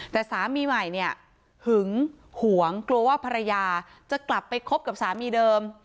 แต่สามีใหม่เนี่ยหึงหวงกลัวว่าภรรยาจะกลับไปคบกับสามีเดิม